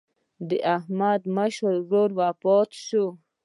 د احمد مشر ورور وفات شو.